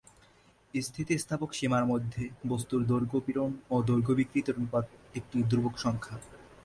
স্থিতিস্থাপক সীমার মধ্যে বস্তুর দৈর্ঘ্য পীড়ন ও দৈর্ঘ্য বিকৃতির অনুপাত একটি ধ্রুবক সংখ্যা।